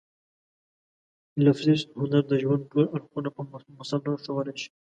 لفظي هنر د ژوند ټول اړخونه په مفصل ډول ښوولای شي.